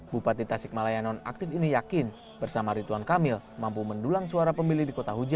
bupati tasikmalaya nonaktif ini yakin bersama rituan kamil mampu mendulang suara pemilih di kota hujan